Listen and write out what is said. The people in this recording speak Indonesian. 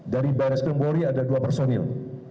dari baris krimpori ada dua personil